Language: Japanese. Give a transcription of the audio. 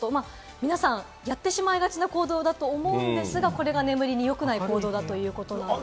皆さんやってしまいがちな行動だと思うんですが、これが眠りによくない行動だということなんです。